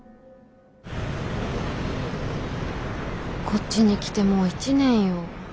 こっちに来てもう１年よ。